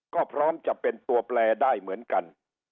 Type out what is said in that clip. ก็พร้อมจะเป็นตัวแปลได้เหมือนกัน